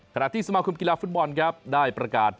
ขณะที่สมาคมกีฬาฟุตบอลได้ประกาศ